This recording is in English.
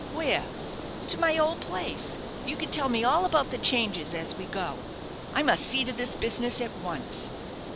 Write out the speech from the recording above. "Where?" "To my old place. You can tell me all about the changes at we go. I must see to this business at once."